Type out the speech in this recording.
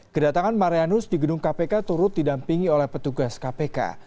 kedatangan marianus di gedung kpk turut didampingi oleh petugas kpk